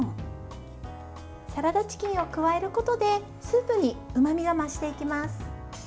サラダチキンを加えることでスープにうまみが増していきます。